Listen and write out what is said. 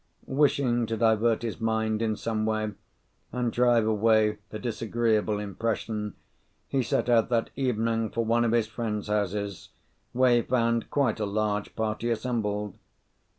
Wishing to divert his mind in some way, and drive away the disagreeable impression, he set out that evening for one of his friends' houses, where he found quite a large party assembled.